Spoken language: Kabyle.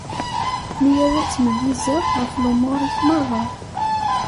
Mi ara ttmeyyizeɣ ɣef lumuṛ-ik merra.